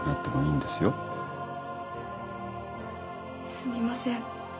すみません。